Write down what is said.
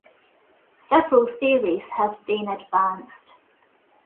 Several theories have been advanced.